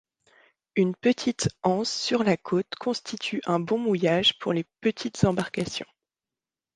Une petite anse sur la côte constitue un bon mouillage pour les petites embarcations.